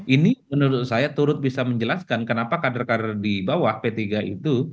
ini menurut saya turut bisa menjelaskan kenapa kader kader di bawah p tiga itu